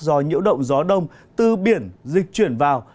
do nhiễu động gió đông từ biển dịch chuyển vào